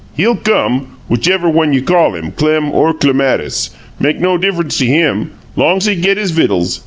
He'll come, whichever one you call him, Clem or Clematis. Make no diff'ence to him, long's he git his vittles.